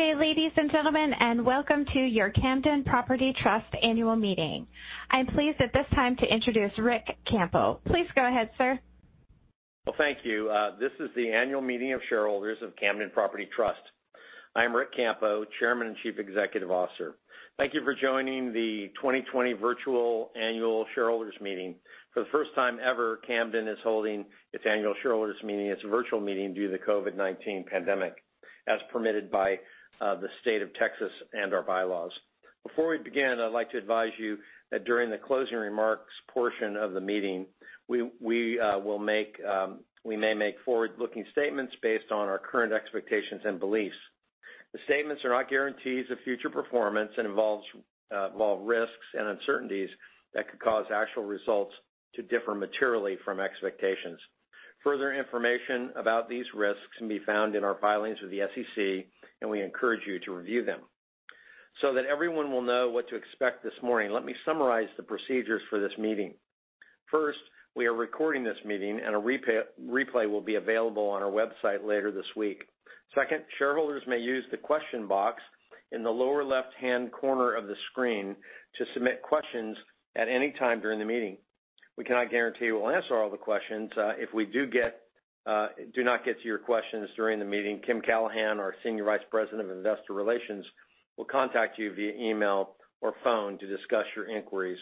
Good day, ladies and gentlemen, and welcome to your Camden Property Trust annual meeting. I'm pleased at this time to introduce Ric Campo. Please go ahead, sir. Well, thank you. This is the annual meeting of shareholders of Camden Property Trust. I'm Ric Campo, Chairman and Chief Executive Officer. Thank you for joining the 2020 virtual annual shareholders meeting. For the first time ever, Camden is holding its annual shareholders meeting as a virtual meeting due to the COVID-19 pandemic, as permitted by the State of Texas and our bylaws. Before we begin, I'd like to advise you that during the closing remarks portion of the meeting, we may make forward-looking statements based on our current expectations and beliefs. The statements are not guarantees of future performance and involve risks and uncertainties that could cause actual results to differ materially from expectations. Further information about these risks can be found in our filings with the SEC, and we encourage you to review them. That everyone will know what to expect this morning, let me summarize the procedures for this meeting. First, we are recording this meeting, and a replay will be available on our website later this week. Second, shareholders may use the question box in the lower left-hand corner of the screen to submit questions at any time during the meeting. We cannot guarantee we'll answer all the questions. If we do not get to your questions during the meeting, Kim Callahan, our Senior Vice President of Investor Relations, will contact you via email or phone to discuss your inquiries.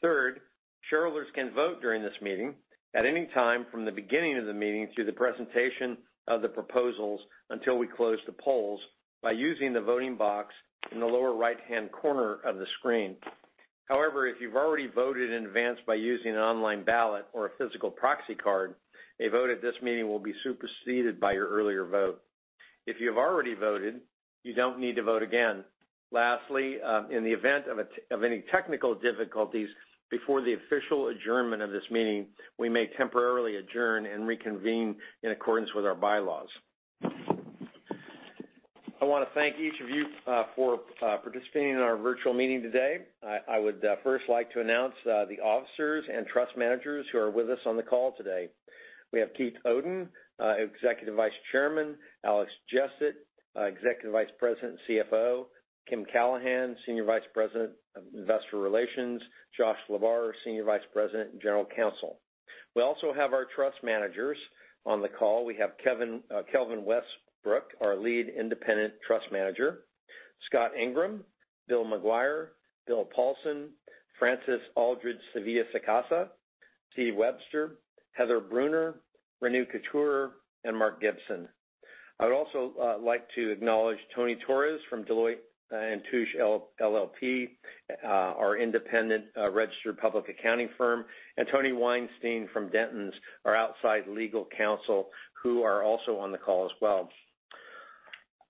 Third, shareholders can vote during this meeting at any time from the beginning of the meeting through the presentation of the proposals until we close the polls by using the voting box in the lower right-hand corner of the screen. If you've already voted in advance by using an online ballot or a physical proxy card, a vote at this meeting will be superseded by your earlier vote. If you have already voted, you don't need to vote again. In the event of any technical difficulties before the official adjournment of this meeting, we may temporarily adjourn and reconvene in accordance with our bylaws. I want to thank each of you for participating in our virtual meeting today. I would first like to announce the officers and Trust Managers who are with us on the call today. We have Keith Oden, Executive Vice Chairman, Alex Jessett, Executive Vice President and CFO, Kim Callahan, Senior Vice President of Investor Relations, Josh Lebar, Senior Vice President and General Counsel. We also have our Trust Managers on the call. We have Kelvin Westbrook, our Lead Independent Trust Manager, Scott Ingraham, Bill McGuire, Bill Paulsen, Frances Aldrich Sevilla-Sacasa, Steve Webster, Heather Brunner, Renu Khator, and Mark Gibson. I would also like to acknowledge Tony Torres from Deloitte & Touche LLP, our independent registered public accounting firm, and Toni Weinstein from Dentons, our outside legal counsel, who are also on the call as well.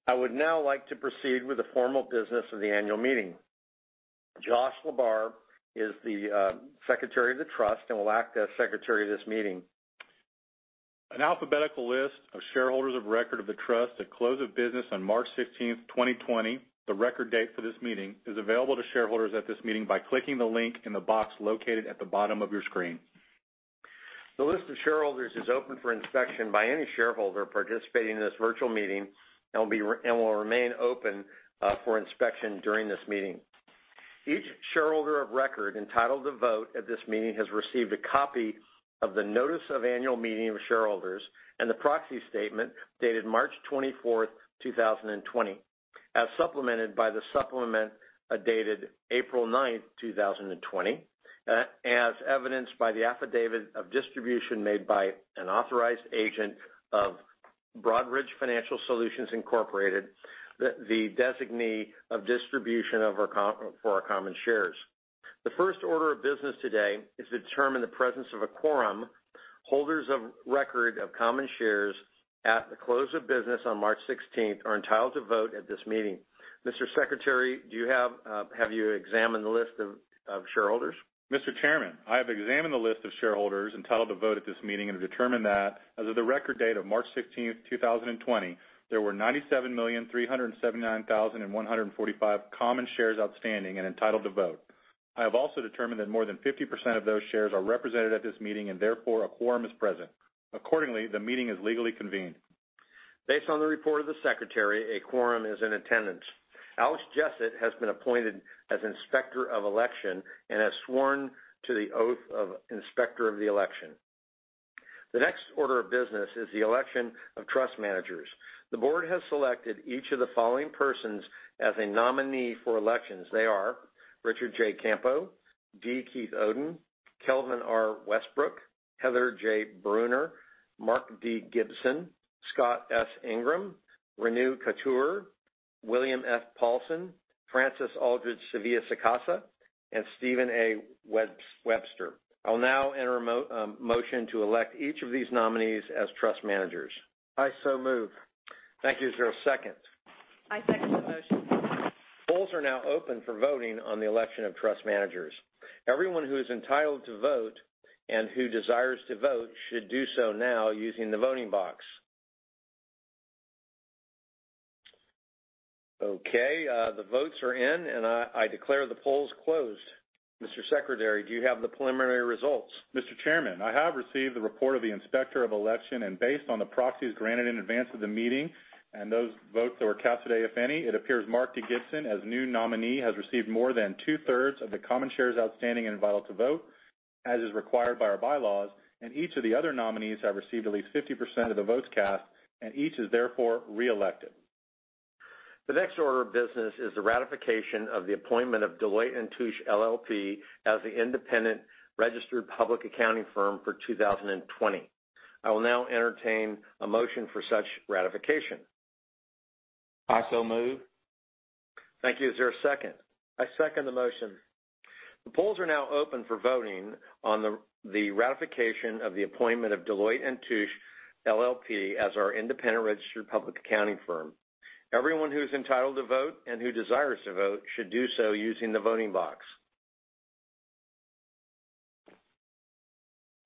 I would now like to proceed with the formal business of the annual meeting. Josh Lebar is the Secretary of the Trust and will act as secretary of this meeting. An alphabetical list of shareholders of record of the Trust at close of business on March 16th, 2020, the record date for this meeting, is available to shareholders at this meeting by clicking the link in the box located at the bottom of your screen. The list of shareholders is open for inspection by any shareholder participating in this virtual meeting and will remain open for inspection during this meeting. Each shareholder of record entitled to vote at this meeting has received a copy of the notice of annual meeting of shareholders and the proxy statement dated March 24th, 2020, as supplemented by the supplement dated April 9th, 2020, as evidenced by the affidavit of distribution made by an authorized agent of Broadridge Financial Solutions, Inc., the designee of distribution for our common shares. The first order of business today is to determine the presence of a quorum. Holders of record of common shares at the close of business on March 16th, 2020, are entitled to vote at this meeting. Mr. Secretary, have you examined the list of shareholders? Mr. Chairman, I have examined the list of shareholders entitled to vote at this meeting and have determined that as of the record date of March 16th, 2020, there were 97,379,145 common shares outstanding and entitled to vote. I have also determined that more than 50% of those shares are represented at this meeting and therefore a quorum is present. Accordingly, the meeting is legally convened. Based on the report of the Secretary, a quorum is in attendance. Alex Jessett has been appointed as Inspector of Election and has sworn to the oath of Inspector of the Election. The next order of business is the election of trust managers. The board has selected each of the following persons as a nominee for elections. They are Richard J. Campo, D. Keith Oden, Kelvin R. Westbrook, Heather J. Brunner, Mark D. Gibson, Scott S. Ingraham, Renu Khator, William F. Paulsen, Frances Aldrich Sevilla-Sacasa, and Steven A. Webster. I will now enter a motion to elect each of these nominees as trust managers. I so move. Thank you. Is there a second? I second the motion. Polls are now open for voting on the election of trust managers. Everyone who is entitled to vote and who desires to vote should do so now using the voting box. Okay. The votes are in. I declare the polls closed. Mr. Secretary, do you have the preliminary results? Mr. Chairman, I have received the report of the Inspector of Election, and based on the proxies granted in advance of the meeting, and those votes that were cast today, if any, it appears Mark D. Gibson as new nominee has received more than two-thirds of the common shares outstanding and entitled to vote, as is required by our bylaws, and each of the other nominees have received at least 50% of the votes cast, and each is therefore reelected. The next order of business is the ratification of the appointment of Deloitte & Touche LLP as the independent registered public accounting firm for 2020. I will now entertain a motion for such ratification. I so move. Thank you. Is there a second? I second the motion. The polls are now open for voting on the ratification of the appointment of Deloitte & Touche LLP as our independent registered public accounting firm. Everyone who's entitled to vote and who desires to vote should do so using the voting box.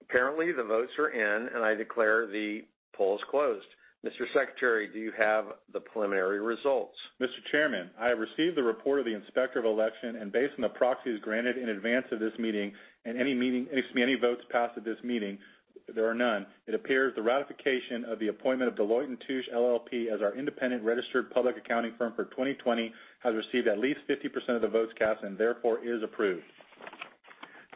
Apparently, the votes are in, and I declare the polls closed. Mr. Secretary, do you have the preliminary results? Mr. Chairman, I have received the report of the Inspector of Election, and based on the proxies granted in advance of this meeting, and any votes cast at this meeting, there are none. It appears the ratification of the appointment of Deloitte & Touche LLP as our independent registered public accounting firm for 2020 has received at least 50% of the votes cast and therefore is approved.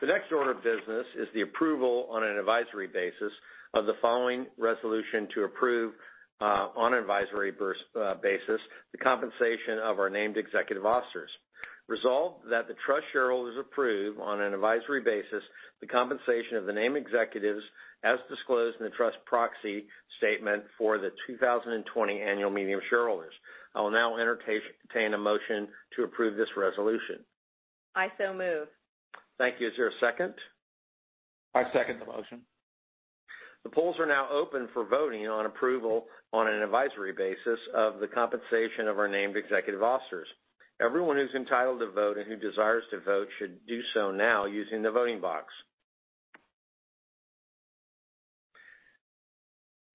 The next order of business is the approval on an advisory basis of the following resolution to approve, on an advisory basis, the compensation of our named executive officers. Resolved that the trust shareholders approve, on an advisory basis, the compensation of the named executives as disclosed in the trust proxy statement for the 2020 annual meeting of shareholders. I will now entertain a motion to approve this resolution. I so move. Thank you. Is there a second? I second the motion. The polls are now open for voting on approval on an advisory basis of the compensation of our named executive officers. Everyone who's entitled to vote and who desires to vote should do so now using the voting box.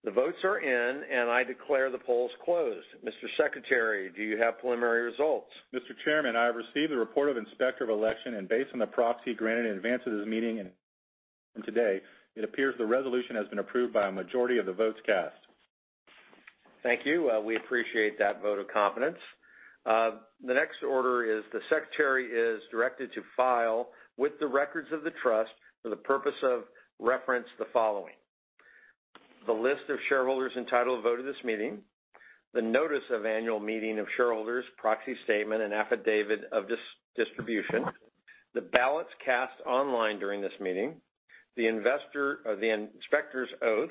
The votes are in, and I declare the polls closed. Mr. Secretary, do you have preliminary results? Mr. Chairman, I have received the report of Inspector of Election, and based on the proxy granted in advance of this meeting and today, it appears the resolution has been approved by a majority of the votes cast. Thank you. We appreciate that vote of confidence. The next order is the Secretary is directed to file with the records of the trust for the purpose of reference the following. The list of shareholders entitled to vote at this meeting, the notice of annual meeting of shareholders, proxy statement, and affidavit of distribution, the ballots cast online during this meeting, the inspector's oath,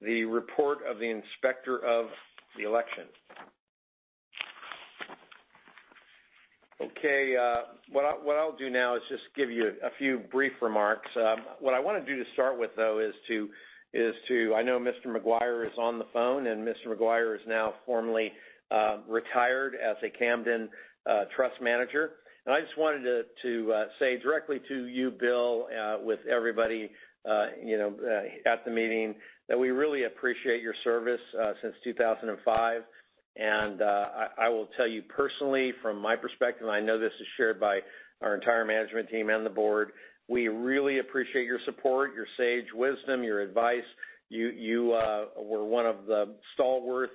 the report of the Inspector of the Election. Okay. What I'll do now is just give you a few brief remarks. What I want to do to start with, though, is I know Mr. McGuire is on the phone, and Mr. McGuire is now formally retired as a Camden trust manager. I just wanted to say directly to you, Bill, with everybody at the meeting that we really appreciate your service since 2005. I will tell you personally from my perspective, and I know this is shared by our entire management team and the Board, we really appreciate your support, your sage wisdom, your advice. You were one of the stalwart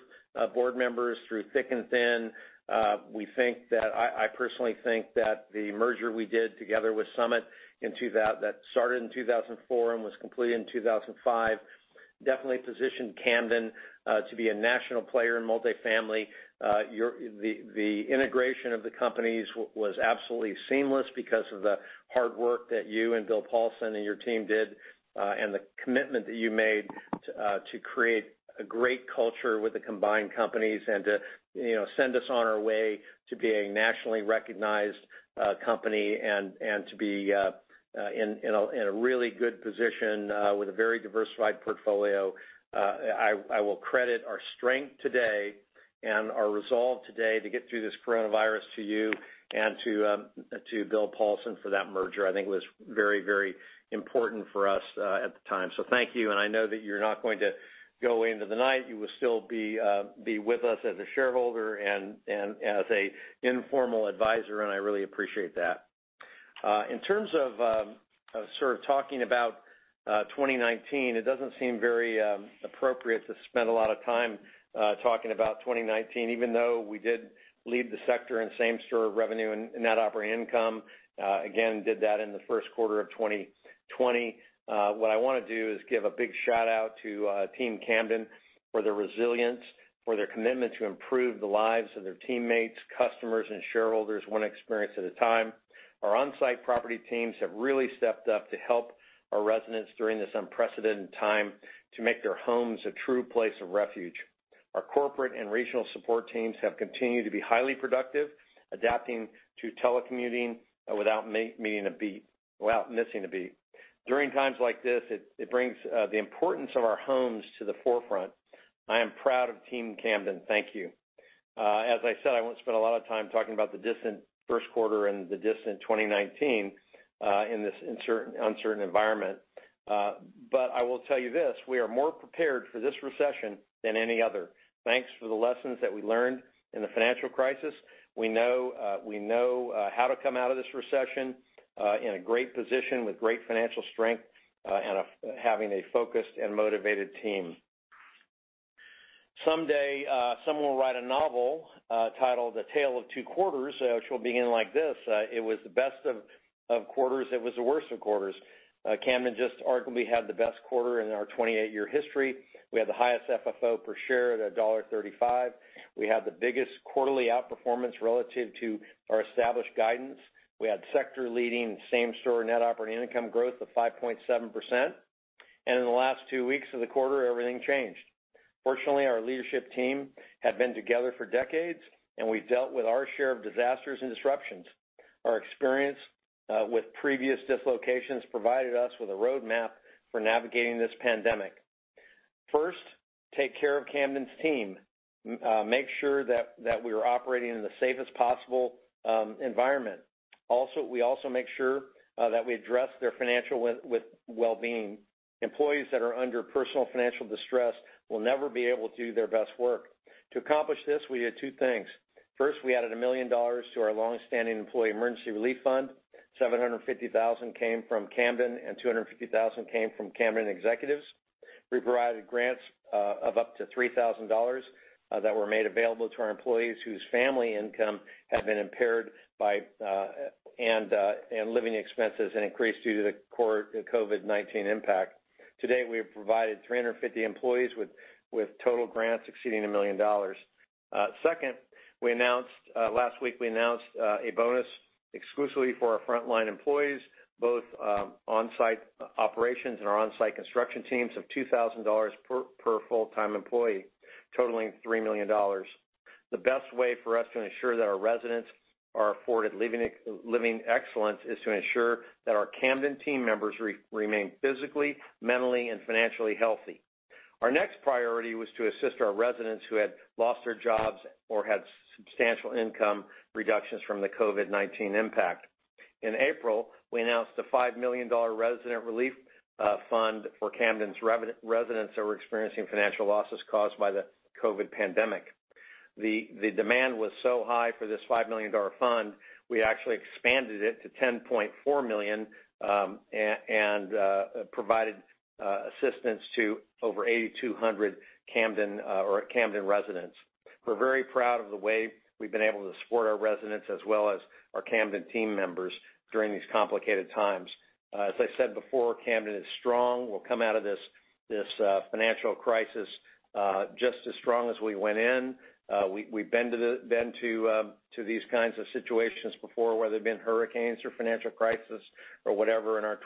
board members through thick and thin. I personally think that the merger we did together with Summit, that started in 2004 and was completed in 2005, definitely positioned Camden to be a national player in multifamily. The integration of the companies was absolutely seamless because of the hard work that you and Bill Paulsen and your team did, and the commitment that you made to create a great culture with the combined companies and to send us on our way to being a nationally recognized company and to be in a really good position with a very diversified portfolio. I will credit our strength today and our resolve today to get through this coronavirus to you and to Bill Paulsen for that merger. I think it was very important for us at the time. Thank you, and I know that you're not going to go into the night. You will still be with us as a shareholder and as an informal advisor, and I really appreciate that. In terms of sort of talking about 2019, it doesn't seem very appropriate to spend a lot of time talking about 2019, even though we did lead the sector in same-store revenue and net operating income. Again, did that in the first quarter of 2020. What I want to do is give a big shout-out to Team Camden for their resilience, for their commitment to improve the lives of their teammates, customers, and shareholders one experience at a time. Our on-site property teams have really stepped up to help our residents during this unprecedented time to make their homes a true place of refuge. Our corporate and regional support teams have continued to be highly productive, adapting to telecommuting without missing a beat. During times like this, it brings the importance of our homes to the forefront. I am proud of Team Camden. Thank you. As I said, I won't spend a lot of time talking about the distant first quarter and the distant 2019 in this uncertain environment. I will tell you this, we are more prepared for this recession than any other. Thanks to the lessons that we learned in the financial crisis, we know how to come out of this recession in a great position with great financial strength and having a focused and motivated team. Someday, someone will write a novel titled "A Tale of Two Quarters," which will begin like this, "It was the best of quarters. It was the worst of quarters." Camden just arguably had the best quarter in our [28-year] history. We had the highest FFO per share at $1.35. We had the biggest quarterly outperformance relative to our established guidance. We had sector-leading Same-Store Net Operating Income growth of 5.7%. In the last two weeks of the quarter, everything changed. Fortunately, our leadership team had been together for decades, and we've dealt with our share of disasters and disruptions. Our experience with previous dislocations provided us with a roadmap for navigating this pandemic. First, take care of Camden's team. Make sure that we are operating in the safest possible environment. We also make sure that we address their financial well-being. Employees that are under personal financial distress will never be able to do their best work. To accomplish this, we did two things. First, we added $1 million to our longstanding employee emergency relief fund. $750,000 came from Camden and $250,000 came from Camden executives. We provided grants of up to $3,000 that were made available to our employees whose family income had been impaired by, and living expenses had increased due to the COVID-19 impact. To date, we have provided 350 employees with total grants exceeding $1 million. Second, last week we announced a bonus exclusively for our frontline employees, both onsite operations and our onsite construction teams of $2,000 per full-time employee, totaling $3 million. The best way for us to ensure that our residents are afforded living excellence is to ensure that our Camden team members remain physically, mentally, and financially healthy. Our next priority was to assist our residents who had lost their jobs or had substantial income reductions from the COVID-19 impact. In April, we announced a $5 million resident relief fund for Camden's residents that were experiencing financial losses caused by the COVID pandemic. The demand was so high for this $5 million fund, we actually expanded it to $10.4 million, and provided assistance to over 8,200 Camden residents. We're very proud of the way we've been able to support our residents as well as our Camden team members during these complicated times. As I said before, Camden is strong. We'll come out of this financial crisis just as strong as we went in. We've been to these kinds of situations before, whether they've been hurricanes or financial crisis or whatever in our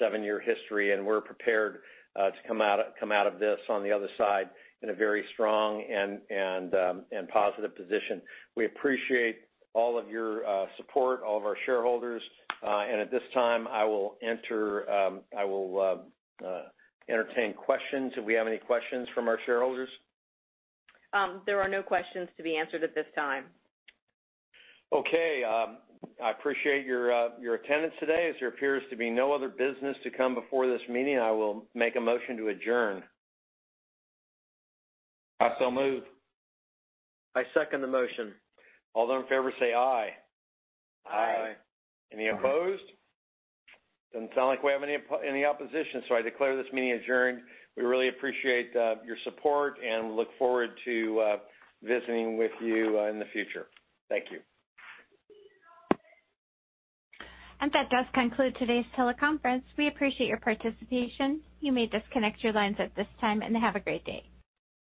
27-year history, and we're prepared to come out of this on the other side in a very strong and positive position. We appreciate all of your support, all of our shareholders. At this time, I will entertain questions. Do we have any questions from our shareholders? There are no questions to be answered at this time. Okay. I appreciate your attendance today. As there appears to be no other business to come before this meeting, I will make a motion to adjourn. I so move. I second the motion. All those in favor say aye. Aye. Aye. Any opposed? Doesn't sound like we have any opposition, so I declare this meeting adjourned. We really appreciate your support and look forward to visiting with you in the future. Thank you. That does conclude today's teleconference. We appreciate your participation. You may disconnect your lines at this time, and have a great day.